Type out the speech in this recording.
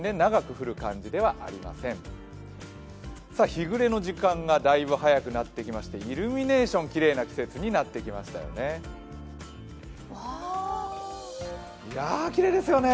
日暮れの時間がだいぶ早くなってきましてイルミネーションきれいな季節になってきましたよね。